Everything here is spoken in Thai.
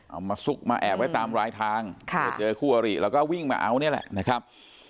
มาซุกมาแอบไว้ตามรายทางเจอคู่อริแล้วก็วิ่งมาเอานี่แหละนะครับ